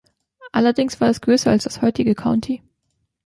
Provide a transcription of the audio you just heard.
Allerdings war es größer als das heutige County.